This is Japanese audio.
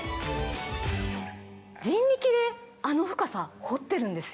人力であの深さ掘ってるんですよ。